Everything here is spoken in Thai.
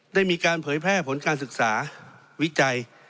ได้มีการเผยแพร่ผลการศึกษาวิจัย